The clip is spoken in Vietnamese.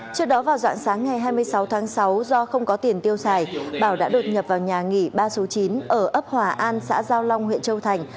trước đó vào dạng sáng ngày hai mươi sáu tháng sáu do không có tiền tiêu xài bảo đã đột nhập vào nhà nghỉ ba số chín ở ấp hòa an xã giao long huyện châu thành